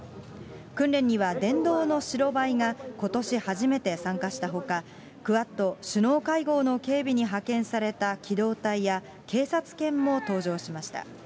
訓練には電動の白バイがことし初めて参加したほか、クアッド首脳会合の警備に派遣された機動隊や、警察犬も登場しました。